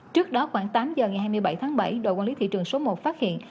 trước đó khoảng tám giờ ngày hai mươi bảy tháng bảy đội quản lý thị trường số một phát hiện